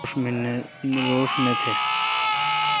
روݭ تہ نہ۔